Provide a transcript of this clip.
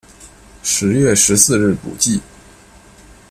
十月十四日补记。